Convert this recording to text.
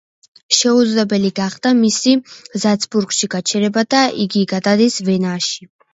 შეუძლებელი გახდა მისი ზალცბურგში გაჩერება და იგი გადადის ვენაში.